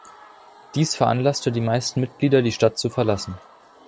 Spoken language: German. Dies veranlasste die meisten Mitglieder, die Stadt zu verlassen.